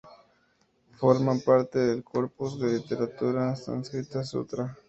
Forman parte del corpus de la literatura sánscrita "sūtra".